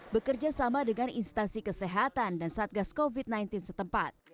bekerja sama dengan instansi kesehatan dan satgas covid sembilan belas setempat